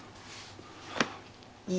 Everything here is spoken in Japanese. いい？